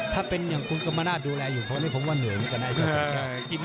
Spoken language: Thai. ถ้าเป็นอย่างคุณกรรมนาฬดูแลอยู่เพราะนี่ผมว่าเหนื่อยนี่ก็น่าจะเป็น